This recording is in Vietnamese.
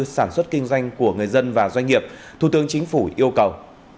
sản xuất kinh doanh của người dân và doanh nghiệp thủ tướng chính phủ yêu cầu